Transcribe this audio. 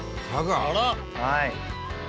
はい。